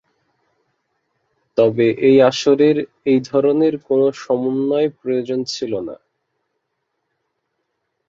তবে, এই আসরের এই ধরনের কোন সমন্বয় প্রয়োজন ছিল না।